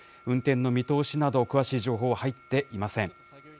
運転の見通しなど、詳しい情報は入っていません。